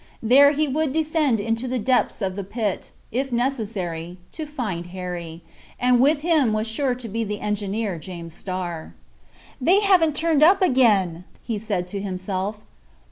There he would descend to the depths of the pit, if necessary, to find Harry, and with him was sure to be the engineer James Starr. "They haven't turned up again," said he to himself.